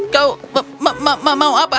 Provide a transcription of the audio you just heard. kau mau apa